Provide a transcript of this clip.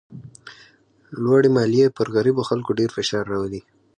لوړې مالیې پر غریبو خلکو ډېر فشار راولي.